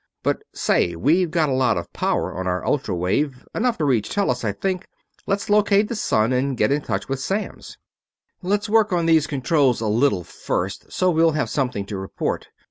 But say, we've got a lot of power on our ultra wave; enough to reach Tellus, I think. Let's locate the sun and get in touch with Samms." "Let's work on these controls a little first, so we'll have something to report.